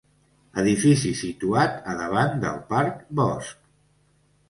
Edifici situat a davant del Parc Bosc.